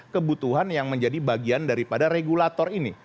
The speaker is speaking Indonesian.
kebutuhan yang menjadi bagian dari pada regulator ini